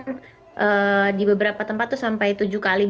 mbak erin ini kasusnya apa sih university